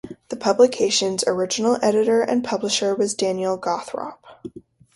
The publication's original editor and publisher was Daniel Gawthrop.